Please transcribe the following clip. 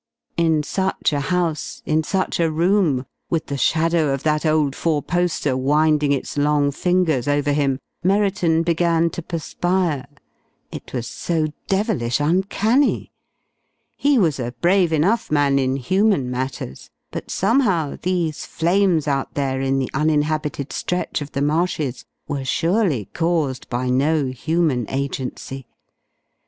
In such a house, in such a room, with the shadow of that old four poster winding its long fingers over him, Merriton began to perspire. It was so devilish uncanny! He was a brave enough man in human matters, but somehow these flames out there in the uninhabited stretch of the marshes were surely caused by no human agency.